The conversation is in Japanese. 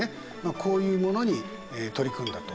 こういうものに取り組んだと。